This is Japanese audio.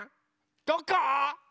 どこ？